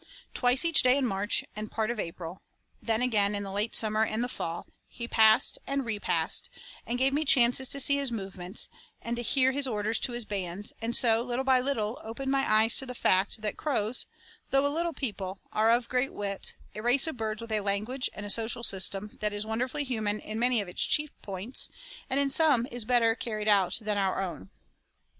Twice each day in March and part of April, then again in the late summer and the fall, he passed and repassed, and gave me chances to see his movements, and hear his orders to his bands, and so, little by little, opened my eyes to the fact that the crows, though a little people, are of great wit, a race of birds with a language and a social system that is wonderfully human in many of its chief points, and in some is better carried out than our own.